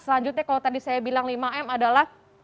selanjutnya kalau tadi saya bilang lima m adalah